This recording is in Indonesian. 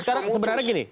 sekarang sebenarnya gini